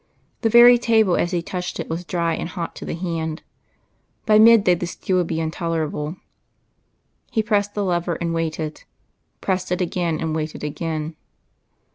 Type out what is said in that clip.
The very table as he touched it was dry and hot to the hand, by mid day the steel would be intolerable. He pressed the lever, and waited; pressed it again, and waited again.